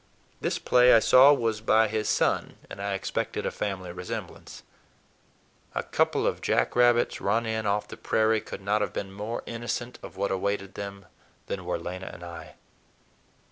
This play, I saw, was by his son, and I expected a family resemblance. A couple of jack rabbits, run in off the prairie, could not have been more innocent of what awaited them than were Lena and I.